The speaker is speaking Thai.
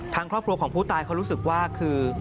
ทางครอบครัวของผู้ตายเขารู้สึกว่าคือ